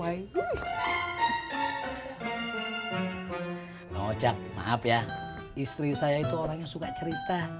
kak ucap maaf ya istri saya itu orang yang suka cerita